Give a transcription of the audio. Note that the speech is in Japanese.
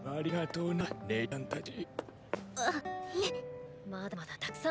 うん。